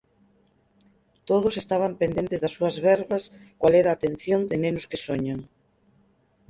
Todos estaban pendentes das súas verbas coa leda atención de nenos que soñan